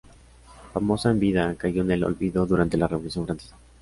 Famosa en vida, cayó en el olvido durante la Revolución Francesa.